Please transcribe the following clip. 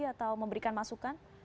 atau memberikan masukan